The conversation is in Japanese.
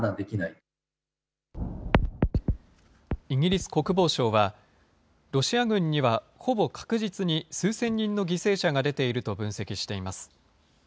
イギリス国防省は、ロシア軍にはほぼ確実に数千人の犠牲者が出ていると分析しています。